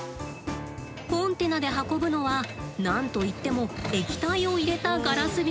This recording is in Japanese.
コンテナで運ぶのは何といっても液体を入れたガラス瓶。